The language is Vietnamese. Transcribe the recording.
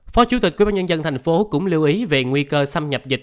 phó chủ tịch quyên bán nhân dân thành phố cũng lưu ý về nguy cơ xâm nhập dịch